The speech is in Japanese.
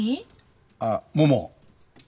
あっもも。